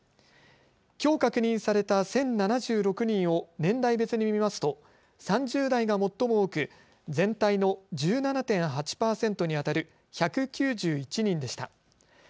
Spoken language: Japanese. きょう確認された１０７６人を年代別に見ますと３０代が最も多く全体の１７．８％にあたる１９１人でした。